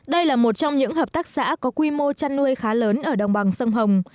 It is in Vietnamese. đây là một trong những hợp tác xã có quy mô chăn nuôi khá lớn ở đồng bằng sông hồng